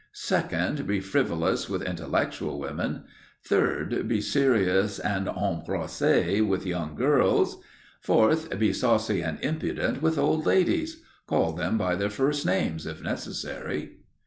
Second, be frivolous with intellectual women. Third, be serious and empressé with young girls. Fourth, be saucy and impudent with old ladies. Call them by their first names, if necessary.